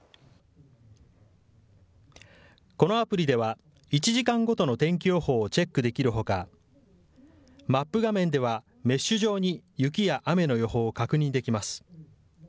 このアプリでは、１時間ごとの天気予報をチェックできるほか、マップ画面では、メッシュ状に雪や雨の予報を確認できます。